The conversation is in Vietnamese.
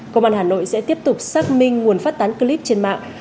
công an hà nội sẽ tiếp tục xác minh nguồn phát tán clip trên mạng